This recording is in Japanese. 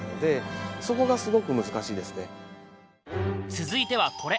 続いてはこれ！